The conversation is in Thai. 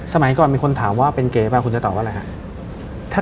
สมัยก่อนมีคนถามว่าเป็นเก๋ไปคุณจะตอบว่าอะไรครับ